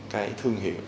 cái thương hiệu